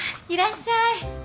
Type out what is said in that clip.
いらっしゃい。